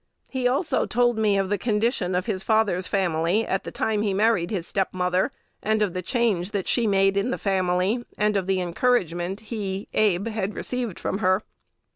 He also told me of the condition of his father's family at the time he married his step mother, and of the change she made in the family, and of the encouragement he (Abe) received from her....